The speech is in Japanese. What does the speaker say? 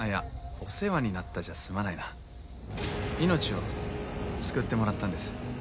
お世話になったじゃ済まないな命を救ってもらったんです